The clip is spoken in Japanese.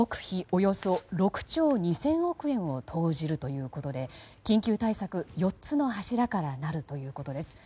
およそ６兆２０００億円を投じるということで緊急対策、４つの柱からなるということです。